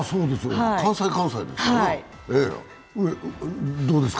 関西・関西ですか？